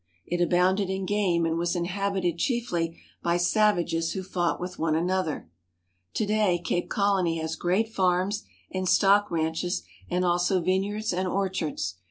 It abounded in game and was inhabited chiefly by savages who fought with one another. To day Cape Colony has great farms and stock ranches, and also vineyards and orchards.